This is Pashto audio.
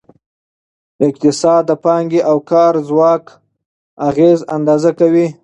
اقتصاد د پانګې او کار ځواک اغیزه اندازه کوي.